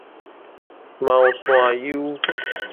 貓徙岫